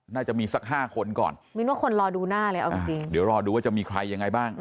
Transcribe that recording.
น่าจะมีสัก๕คนก่อนเดี๋ยวรอดูว่าจะมีใครยังไงบ้าง